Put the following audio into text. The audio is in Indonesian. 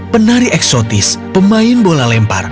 penari eksotis pemain bola lempar